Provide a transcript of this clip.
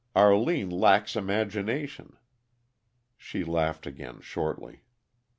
Arline lacks imagination." She laughed again shortly.